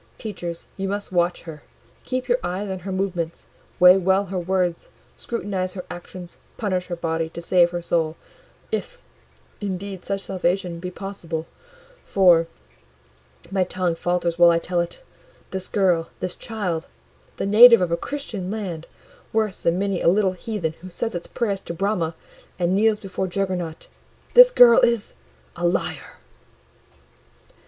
Teachers, you must watch her: keep your eyes on her movements, weigh well her words, scrutinise her actions, punish her body to save her soul: if, indeed, such salvation be possible, for (my tongue falters while I tell it) this girl, this child, the native of a Christian land, worse than many a little heathen who says its prayers to Brahma and kneels before Juggernaut—this girl is—a liar!"